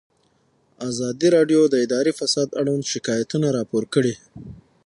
ازادي راډیو د اداري فساد اړوند شکایتونه راپور کړي.